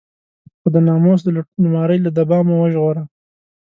خو د ناموس د لوټمارۍ له دبا مو وژغوره.